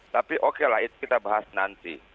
tapi oke lah itu kita bahas nanti